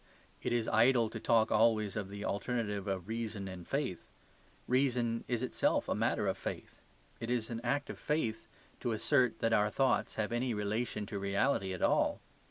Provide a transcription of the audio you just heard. It is idle to talk always of the alternative of reason and faith. Reason is itself a matter of faith. It is an act of faith to assert that our thoughts have any relation to reality at all.